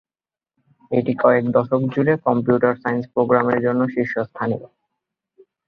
এটি কয়েক দশক জুড়ে কম্পিউটার সায়েন্স প্রোগ্রামের জন্য শীর্ষস্থানীয়।